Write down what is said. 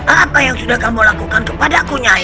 apa yang sudah kamu lakukan kepada aku nyi